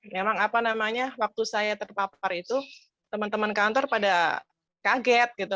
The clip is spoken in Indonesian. memang apa namanya waktu saya terpapar itu teman teman kantor pada kaget gitu